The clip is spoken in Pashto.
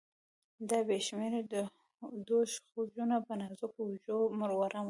دا بې شمیره دوږخونه په نازکو اوږو، وړمه